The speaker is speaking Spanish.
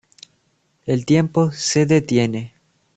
El tiempo se detiene.